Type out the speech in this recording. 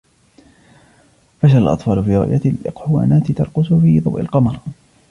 فشل الأطفال في رؤية الإقحوانات ترقص في ضوء القمر.